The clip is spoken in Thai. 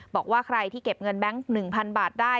บอกว่าใครที่เก็บเงินแบงค์๑๐๐๐บาทได้